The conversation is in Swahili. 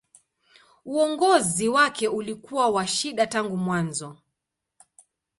Uongozi wake ulikuwa wa shida tangu mwanzo.